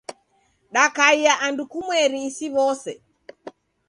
Dakaia andu kumweri isi w'ose.